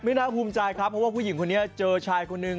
น่าภูมิใจครับเพราะว่าผู้หญิงคนนี้เจอชายคนนึง